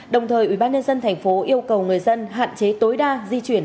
đồng thời ubnd thành phố yêu cầu người dân hạn chế tối đa di chuyển